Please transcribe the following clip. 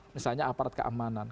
misalnya aparat keamanan